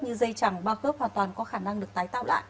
như dây chẳng ba khớp hoàn toàn có khả năng được tái tạo lại